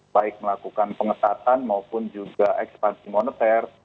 baik melakukan pengetatan maupun juga ekspansi moneter